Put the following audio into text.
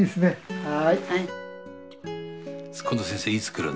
はい。